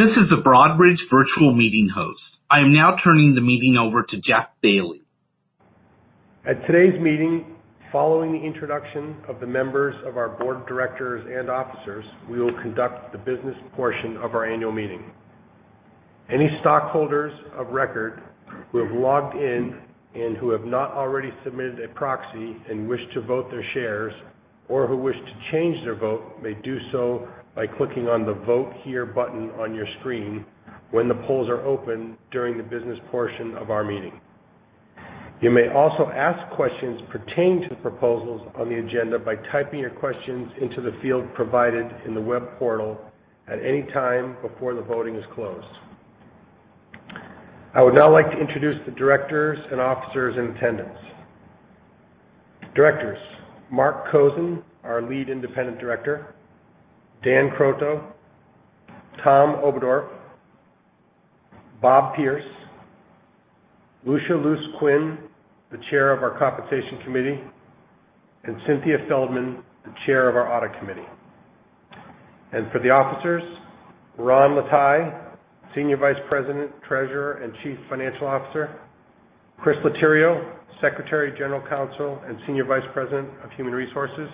This is a Broadridge virtual meeting host. I'm now turning the meeting over to R. Jeffrey Bailly. At today's meeting, following the introduction of the members of our board of directors and officers, we will conduct the business portion of our annual meeting. Any stockholders of record who have logged in and who have not already submitted a proxy and wish to vote their shares, or who wish to change their vote, may do so by clicking on the Vote Here button on your screen when the polls are open during the business portion of our meeting. You may also ask questions pertaining to proposals on the agenda by typing your questions into the field provided in the web portal at any time before the voting is closed. I would now like to introduce the directors and officers in attendance. Directors, Marc Kozin, our Lead Independent Director, Dan Croteau, Tom Oberdorf, Bob Pierce, Lucia Luce Quinn, the Chair of our Compensation Committee, and Cynthia L. Feldmann, the Chair of our Audit Committee. For the officers, Ron Lataille, Senior Vice President, Treasurer, and Chief Financial Officer, Chris Litterio, Secretary, General Counsel, and Senior Vice President of Human Resources,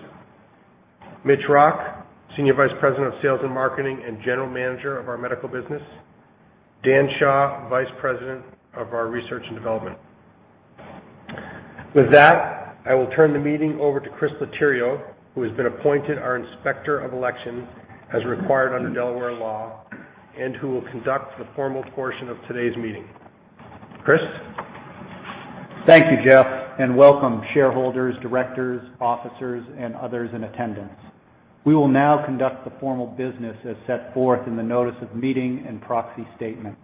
Mitch Rock, Senior Vice President of Sales and Marketing and General Manager of our Medical Business, Dan Shaw, Vice President of our Research and Development. With that, I will turn the meeting over to Chris Litterio, who has been appointed our Inspector of Elections as required under Delaware law, and who will conduct the formal portion of today's meeting. Chris? Thank you, Jeff, and welcome shareholders, directors, officers, and others in attendance. We will now conduct the formal business as set forth in the notice of meeting and proxy statement.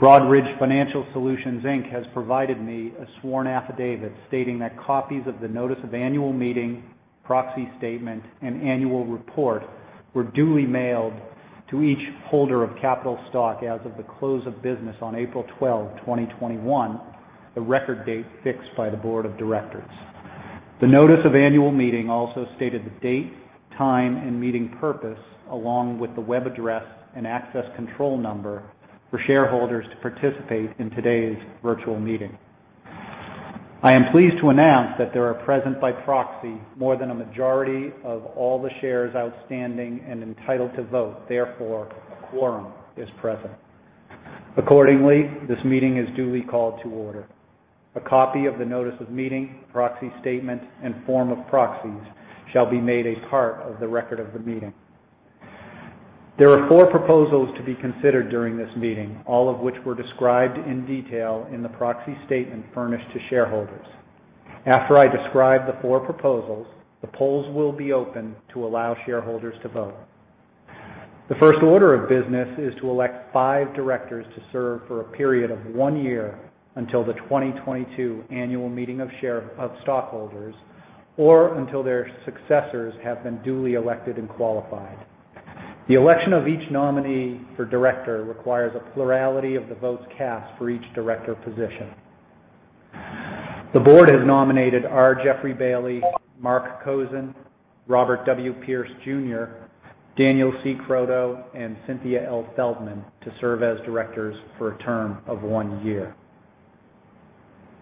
Broadridge Financial Solutions, Inc. has provided me a sworn affidavit stating that copies of the notice of annual meeting, proxy statement, and annual report were duly mailed to each holder of capital stock as of the close of business on April 12th, 2021, the record date fixed by the board of directors. The notice of annual meeting also stated the date, time, and meeting purpose, along with the web address and access control number for shareholders to participate in today's virtual meeting. I am pleased to announce that there are present by proxy more than a majority of all the shares outstanding and entitled to vote. Therefore, a quorum is present. Accordingly, this meeting is duly called to order. A copy of the notice of meeting, proxy statement, and form of proxies shall be made a part of the record of the meeting. There are four proposals to be considered during this meeting, all of which were described in detail in the proxy statement furnished to shareholders. After I describe the four proposals, the polls will be open to allow shareholders to vote. The first order of business is to elect five directors to serve for a period of one year until the 2022 annual meeting of stockholders or until their successors have been duly elected and qualified. The election of each nominee for director requires a plurality of the votes cast for each director position. The board has nominated R. Jeffrey Bailly, Marc Kozin, Robert W. Pierce Jr., Daniel C. Croteau, and Cynthia L. Feldmann to serve as directors for a term of one year.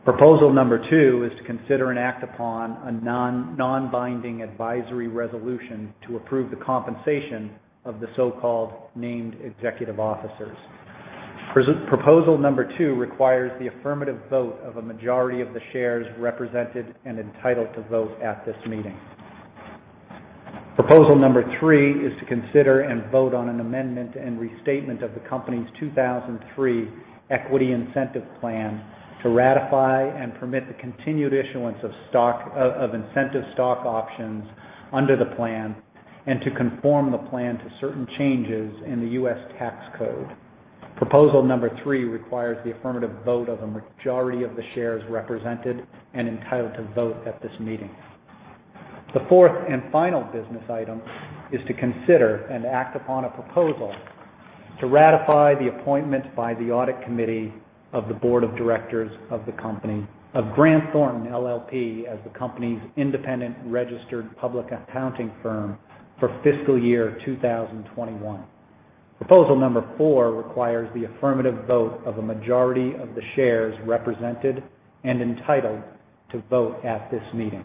Proposal number two is to consider and act upon a non-binding advisory resolution to approve the compensation of the so-called named executive officers. Proposal number two requires the affirmative vote of a majority of the shares represented and entitled to vote at this meeting. Proposal number three is to consider and vote on an amendment and restatement of the company's 2003 Incentive Plan to ratify and permit the continued issuance of incentive stock options under the plan and to conform the plan to certain changes in the U.S. Tax Code. Proposal number three requires the affirmative vote of a majority of the shares represented and entitled to vote at this meeting. The fourth and final business item is to consider and act upon a proposal to ratify the appointment by the audit committee of the board of directors of the company of Grant Thornton LLP as the company's independent registered public accounting firm for fiscal year 2021. Proposal number four requires the affirmative vote of a majority of the shares represented and entitled to vote at this meeting.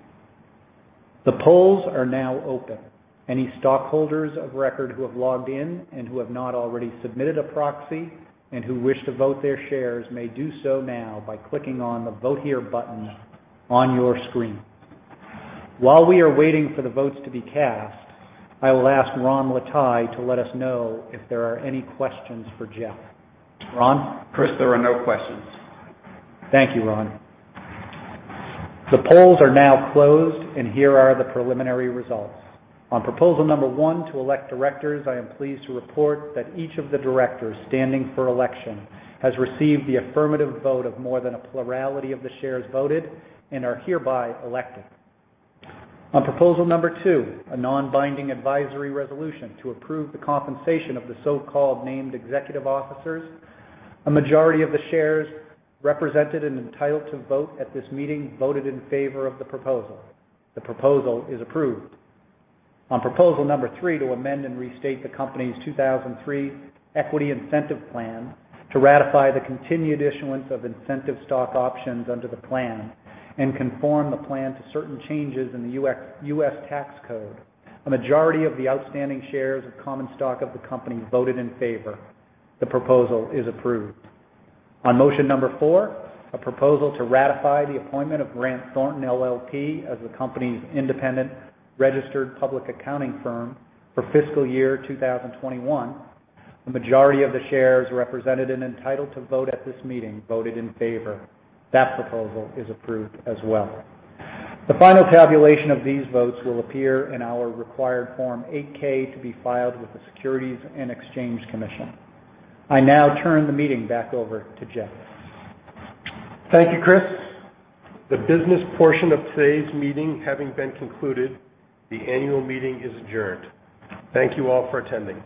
The polls are now open. Any stockholders of record who have logged in and who have not already submitted a proxy and who wish to vote their shares may do so now by clicking on the Vote Here button on your screen. While we are waiting for the votes to be cast, I will ask Ron Lataille to let us know if there are any questions for Jeff. Ron? Chris, there are no questions. Thank you, Ron. The polls are now closed, and here are the preliminary results. On proposal number one, to elect directors, I am pleased to report that each of the directors standing for election has received the affirmative vote of more than a plurality of the shares voted and are hereby elected. On proposal number two, a non-binding advisory resolution to approve the compensation of the so-called named executive officers, a majority of the shares represented and entitled to vote at this meeting voted in favor of the proposal. The proposal is approved. On proposal number three, to amend and restate the company's 2003 Incentive Plan to ratify the continued issuance of incentive stock options under the plan and conform the plan to certain changes in the U.S. Tax Code, a majority of the outstanding shares of common stock of the company voted in favor. The proposal is approved. On motion number four, a proposal to ratify the appointment of Grant Thornton LLP as the company's independent registered public accounting firm for fiscal year 2021, the majority of the shares represented and entitled to vote at this meeting voted in favor. That proposal is approved as well. The final tabulation of these votes will appear in our required Form 8-K to be filed with the Securities and Exchange Commission. I now turn the meeting back over to Jeff. Thank you, Chris. The business portion of today's meeting having been concluded, the annual meeting is adjourned. Thank you all for attending.